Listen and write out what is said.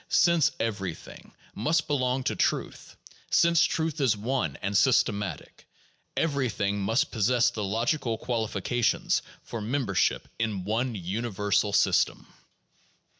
Since everything must belong to truth, and since truth is one and systematic, everything must possess the logical qualifications for membership in one universal system.